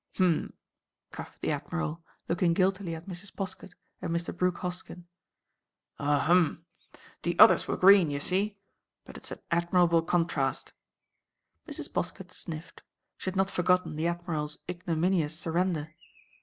"Hum," coughed the Admiral, looking guiltily at Mrs. Poskett and Mr. Brooke Hoskyn. "Ah—hum!—the others were green, ye see. But it's an admirable contrast." Mrs. Poskett sniffed. She had not forgotten the Admiral's ignominious surrender.